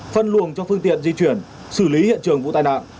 phân luồng cho phương tiện di chuyển xử lý hiện trường vụ tai nạn